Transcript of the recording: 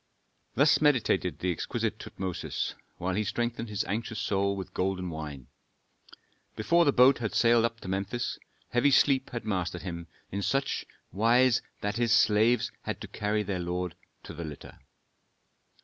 '" Thus meditated the exquisite Tutmosis, while he strengthened his anxious soul with golden wine. Before the boat had sailed up to Memphis, heavy sleep had mastered him in such wise that his slaves had to carry their lord to the litter.